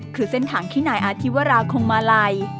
คือเส้นทางที่นายอาธิวราคงมาลัย